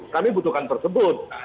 kami butuhkan tersebut